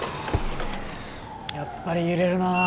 やっぱり揺れるな。